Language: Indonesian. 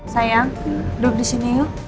sayang duduk disini yuk